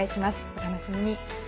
お楽しみに。